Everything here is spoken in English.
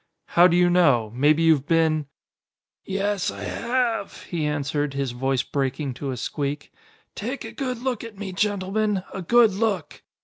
"How do you know? Maybe you've been ?" "Yes, I have!" he answered, his voice breaking to a squeak. "Take a good look at me, gentlemen. A good look."